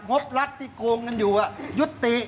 งบลักษณ์ที่โกงกันอยู่ยุติ